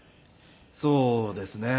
そうですね。